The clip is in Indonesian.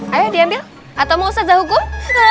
ayo diambil atau mau saja hukum